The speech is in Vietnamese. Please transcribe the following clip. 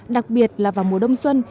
đặc biệt là vào mùa đông xuân